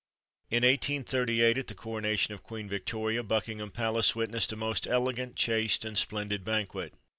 In 1838, at the coronation of Queen Victoria, Buckingham Palace witnessed a most elegant, chaste, and splendid banquet.